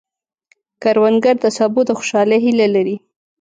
کروندګر د سبو د خوشحالۍ هیله لري